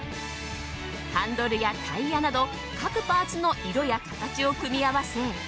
ハンドルやタイヤなど各パーツの色や形を組み合わせ